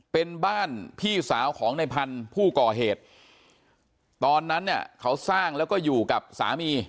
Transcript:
เป็นบ้านพี่สาวของในพันธุ์ผู้ก่อเหตุตอนนั้นเนี่ยเขาสร้างแล้วก็อยู่กับสามี